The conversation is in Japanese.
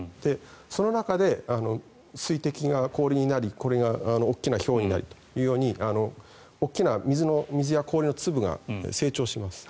その中で水滴が氷になりこれが大きなひょうになりというように大きな水や氷の粒が成長します。